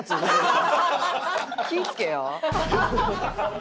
気ぃ付けや。